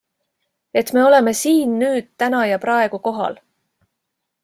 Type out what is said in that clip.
Et me oleme siin, nüüd, täna ja praegu kohal.